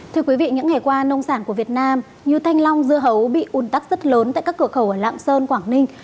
thưa quý vị những ngày qua nông sản của việt nam như thanh long dưa hấu bị un tắc rất lớn tại các cửa khẩu ở lạng sơn quảng ninh